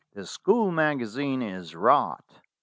The school magazine is rot.